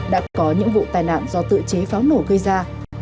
đã có những vụ tai nạn do tự chế pháo nổ gây ra